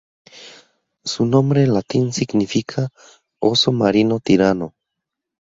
Su nombre en latín significa “Oso marino tirano".